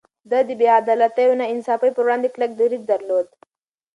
ده د بې عدالتۍ او ناانصافي پر وړاندې کلک دريځ درلود.